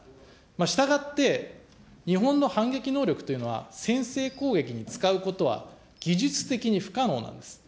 従って日本の反撃能力というのは、先制攻撃に使うことは技術的に不可能なんです。